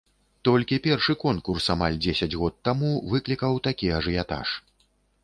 Толькі першы конкурс, амаль дзесяць год таму, выклікаў такі ажыятаж.